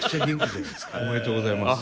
おめでとうございます。